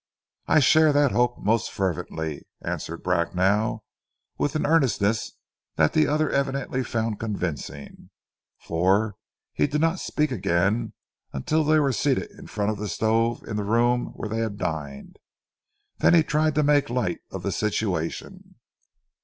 "I share that hope, most fervently," answered Bracknell, with an earnestness that the other evidently found convincing, for he did not speak again until they were seated in the front of the stove in the room where they had dined. Then he tried to make light of the situation.